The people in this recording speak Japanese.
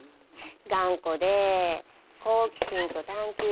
頑固で好奇心と探究心の塊で。